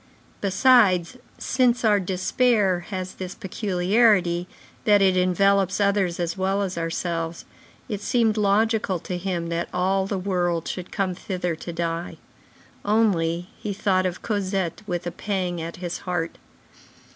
Besides, since our despair has this peculiarity, that it envelops others as well as ourselves, it seemed logical to him that all the world should come thither to die. Only, he thought of Cosette with a pang at his heart.